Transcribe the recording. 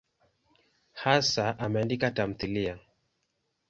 Hasa ameandika tamthiliya.